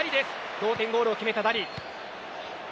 同点ゴールを決めたダリ。